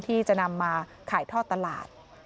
ที่จะนำมาขายทอดตลาด